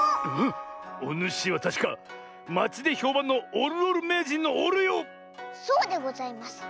おぬしはたしかまちでひょうばんのおるおるめいじんのおるよ⁉そうでございます。